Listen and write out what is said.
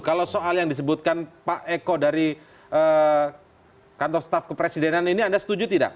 kalau soal yang disebutkan pak eko dari kantor staf kepresidenan ini anda setuju tidak